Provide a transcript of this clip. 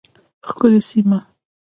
ښکلې سیمه